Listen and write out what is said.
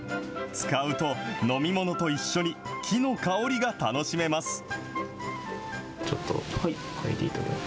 使うと、飲み物と一緒に木の香りが楽しめます。